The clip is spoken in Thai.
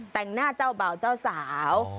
แต่งหน้าเจ้าบ่าวเจ้าสาว